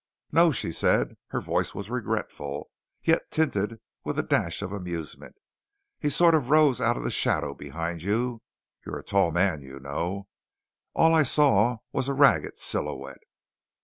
"No," she said. Her voice was regretful, yet tinted with a dash of amusement. "He sort of rose out of the shadow behind you you're a tall man, you know. All I saw was a ragged silhouette.